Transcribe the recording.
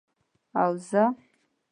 او زه،